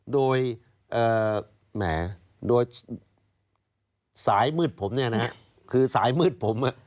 โดยสายมืดผมเนี่ยนะคือสายมืดผม